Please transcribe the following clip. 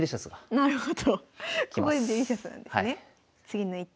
なるほど。